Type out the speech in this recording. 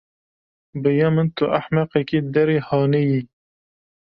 Bi ya min tu ehmeqekî derê hanê yî.